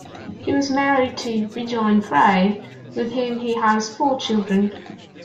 He was married to Regine Frey, with whom he has four children.